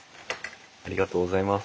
ありがとうございます。